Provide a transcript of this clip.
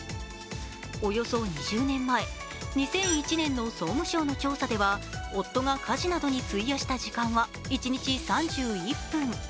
およそ２０年前、２００１年の総務省の調査では、夫が家事などに費やした時間は一日３１分。